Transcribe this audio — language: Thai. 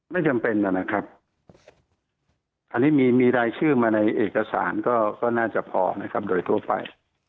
ไม่จำเป็นนะครับอันนี้มีรายชื่อมาในเอกสารก็น่าจะพอนะครับโดยทั่วไป